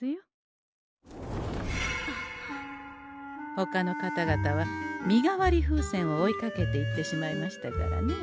ほかの方々は身代わり風船を追いかけていってしまいましたからねえ。